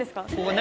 何？